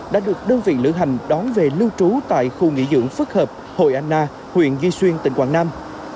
đã được đơn vị lữ hành đón về lưu trú tại khu nghỉ dưỡng phức hợp hội anna huyện duy xuyên tỉnh quảng nam